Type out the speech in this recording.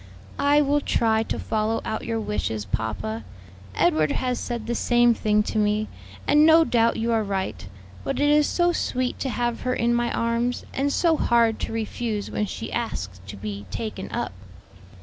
"I will try to follow out your wishes, papa. Edward has said the same thing to me, and no doubt you are right; but it is so sweet to have her in my arms, and so hard to refuse when she asks to be taken up."